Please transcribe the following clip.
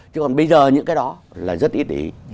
chứ còn bây giờ những cái đó là rất ít ý